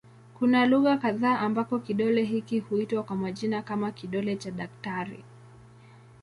Kuna lugha kadha ambako kidole hiki huitwa kwa majina kama "kidole cha daktari".